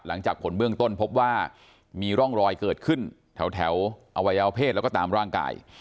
หลังจากผลเบื้องต้นพบว่ามีร่องรอยเกิดขึ้นแถวอวัยวเพศแล้วก็ตามร่างกาย